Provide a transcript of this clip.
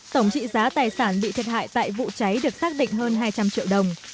tổng trị giá tài sản bị thiệt hại tại vụ cháy được xác định hơn hai trăm linh triệu đồng